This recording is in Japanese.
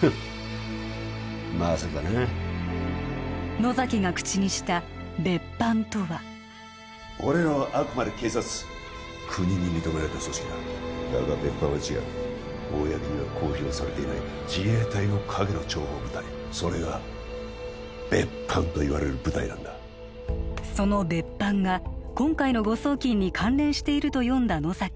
フッまさかな野崎が口にした別班とは俺らはあくまで警察国に認められた組織だだが別班は違う公には公表されていない自衛隊の陰の諜報部隊それが別班といわれる部隊なんだその別班が今回の誤送金に関連していると読んだ野崎